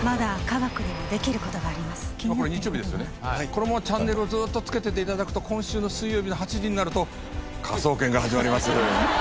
このままチャンネルをずっとつけてて頂くと今週の水曜日の８時になると『科捜研』が始まります。